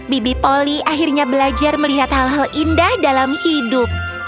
bibi poli akhirnya belajar melihat hal hal indah dalam hidup